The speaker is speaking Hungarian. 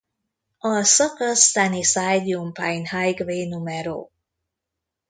A szakasz Sunnyside–Umapine Highway No.